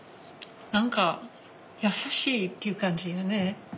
何か優しいっていう感じよね。